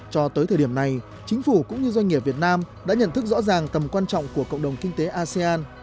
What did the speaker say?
cho tới thời điểm này chính phủ cũng như doanh nghiệp việt nam đã nhận thức rõ ràng tầm quan trọng của cộng đồng kinh tế asean